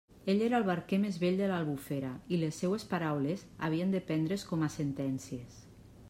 Ell era el barquer més vell de l'Albufera, i les seues paraules havien de prendre's com a sentències.